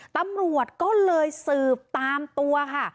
ตำรวจก็เลยสืบตามตัวค่ะ